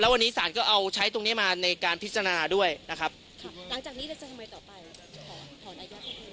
วันนี้ศาลก็เอาใช้ตรงนี้มาในการพิจารณาด้วยนะครับค่ะหลังจากนี้เราจะทำไมต่อไป